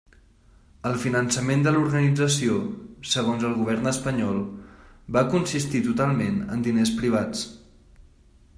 El finançament de l'organització, segons el Govern Espanyol, va consistir totalment en diners privats.